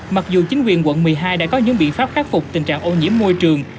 mặc dù chính quyền quận một mươi hai đã có những biện pháp khắc phục tình trạng ô nhiễm môi trường